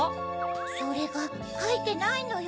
それがかいてないのよ。